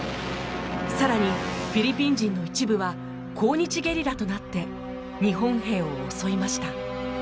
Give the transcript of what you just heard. さらにフィリピン人の一部は抗日ゲリラとなって日本兵を襲いました。